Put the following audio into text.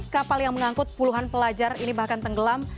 kapal yang mengangkut puluhan pelajar ini bahkan tenggelam